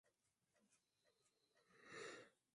ni wa hali juu hata sasa ambako ni takriban miaka thelathini